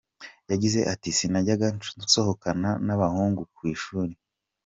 Yagize ati: “sinajyaga nsohokana n’abahungu ku ishuri.